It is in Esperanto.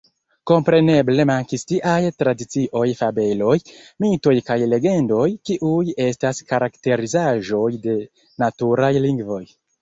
Kompreneble mankis tiaj tradicioj, fabeloj, mitoj kaj legendoj, kiuj estas karakterizaĵoj de “naturaj lingvoj.